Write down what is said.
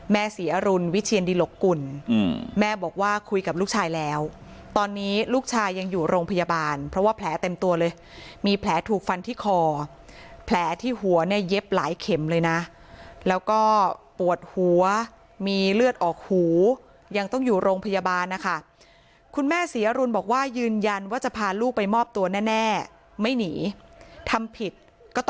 ศรีอรุณวิเชียนดิหลกกุลแม่บอกว่าคุยกับลูกชายแล้วตอนนี้ลูกชายยังอยู่โรงพยาบาลเพราะว่าแผลเต็มตัวเลยมีแผลถูกฟันที่คอแผลที่หัวเนี่ยเย็บหลายเข็มเลยนะแล้วก็ปวดหัวมีเลือดออกหูยังต้องอยู่โรงพยาบาลนะคะคุณแม่ศรีอรุณบอกว่ายืนยันว่าจะพาลูกไปมอบตัวแน่ไม่หนีทำผิดก